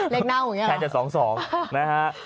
เลขน่าวอย่างนี้หรอแพงแต่๒๒นะฮะ